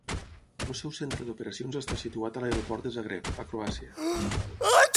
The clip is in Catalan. El seu centre d'operacions està situat a l'aeroport de Zagreb, a Croàcia.